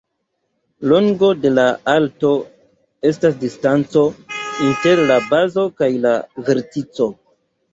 Longo de la alto estas distanco inter la bazo kaj la vertico.